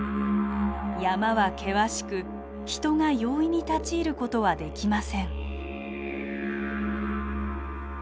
山は険しく人が容易に立ち入ることはできません。